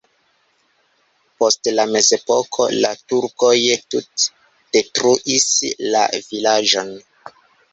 Post la mezepoko la turkoj tute detruis la vilaĝon.